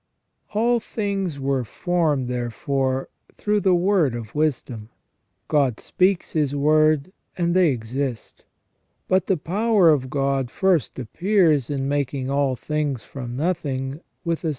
* All things were formed, therefore, through the Word of Wisdom. God speaks His word, and they exist. But the power of God first appears in making all things from nothing with a certain • S. August.